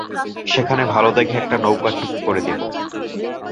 সেখানে ভালো দেখে একটা নৌকা ঠিক করে দেব।